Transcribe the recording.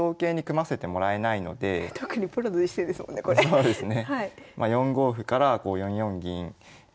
そうですね。